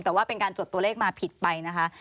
แต่ว่าเป็นการจดตัวเลขมาผิดไปนะคะ